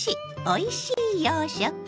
おいしい洋食」。